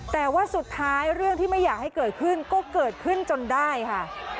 แต่ว่าสุดท้ายเรื่องที่ไม่อยากให้เกิดขึ้นก็เกิดขึ้นจนได้ค่ะ